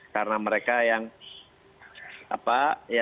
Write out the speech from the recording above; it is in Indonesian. karena mereka yang apa yang tidak bisa makan di tempat dan juga di bawah luar ind sonya ya